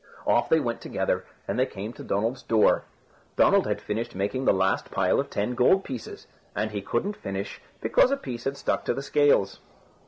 Off they went together, and they came to Donald's door. Donald had finished making the last pile of ten gold pieces. And he couldn't finish because a piece had stuck to the scales.